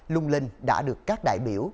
lung linh đã được các đại biểu